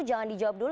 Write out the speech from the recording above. jangan dijawab dulu